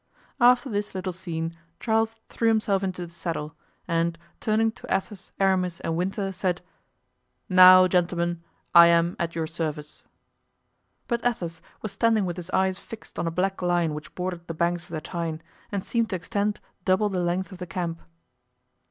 After this little scene Charles threw himself into the saddle, and turning to Athos, Aramis and Winter, said: "Now, gentlemen, I am at your service." But Athos was standing with his eyes fixed on a black line which bordered the banks of the Tyne and seemed to extend double the length of the camp.